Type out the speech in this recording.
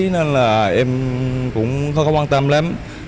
nên là em cũng không quan tâm lắm